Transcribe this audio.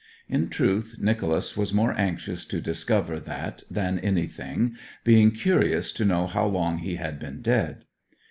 In truth Nicholas was more anxious to discover that than anything, being curious to know how long he had been dead.